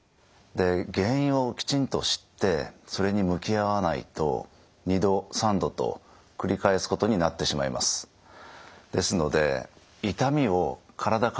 原因をきちんと知ってそれに向き合わないと２度３度と繰り返すことになってしまいます。